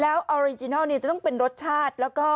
แล้วออริจินัลจะต้องเป็นรสชาติแล้วก็